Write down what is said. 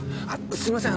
すいません